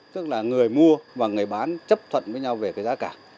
tức là người mua và người bán chấp thuận với nhau về cái giá cả